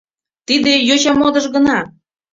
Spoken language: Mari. Тиде йоча модыш гына!